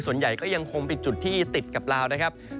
ส่วนใหญ่ก็ยังคงเป็นจุดที่ติดกับลาวนะครับ